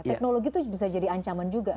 teknologi itu bisa jadi ancaman juga